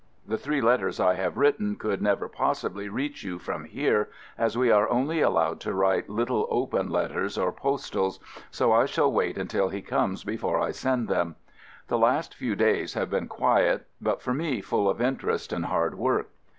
The three letters I have written could never possibly reach you from here, as we are only allowed to write little open letters or postals, so I shall wait until he comes before I send them. The last few days have been quiet, but for me full of interest and hard work.